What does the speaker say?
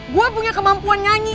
gue punya kemampuan nyanyi